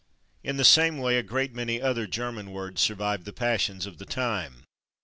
In the same way a great many other German words survived the passions of the time.